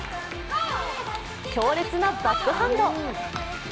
強烈なバックハンド。